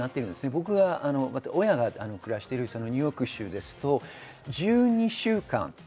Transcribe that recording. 僕は親が暮らしているニューヨーク州ですと１２週間。